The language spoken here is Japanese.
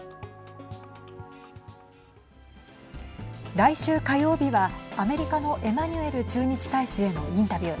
来週火曜日はアメリカのエマニュエル駐日大使へのインタビュー。